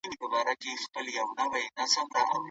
موږ باید د علم په رڼا کې ګام واخلو.